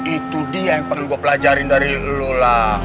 itu dia yang pengen gua pelajarin dari lu lah